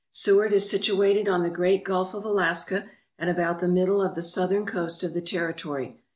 Seward is situated on the great Gulf of Alaska at about the middle of the southern coast of the territory.